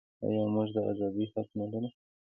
آیا موږ د ازادۍ حق نلرو؟